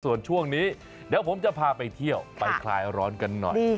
ส่วนช่วงนี้เดี๋ยวผมจะพาไปเที่ยวไปคลายร้อนกันหน่อย